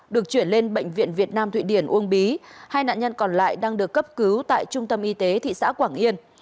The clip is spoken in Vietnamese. được chuyển lên bệnh viện việt nam thụy điển uông bí hai nạn nhân còn lại đang được cấp cứu tại trung tâm y tế thị xã quảng yên